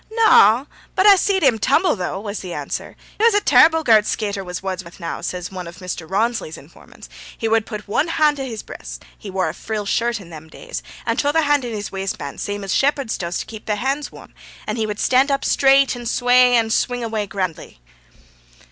'Na, but I seed him tumlle, though!' was the answer. 'He was a ter'ble girt skater, was Wudsworth now,' says one of Mr. Rawnsley's informants; 'he would put one hand i' his breast (he wore a frill shirt i' them days), and t'other hand i' his waistband, same as shepherds does to keep their hands warm, and he would stand up straight and sway and swing away grandly.'